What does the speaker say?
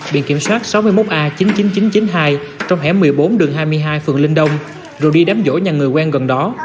biển kiểm soát sáu mươi một a chín mươi chín nghìn chín trăm chín mươi hai trong hẻm một mươi bốn đường hai mươi hai phường linh đông rồi đi đám vỗi nhà người quen gần đó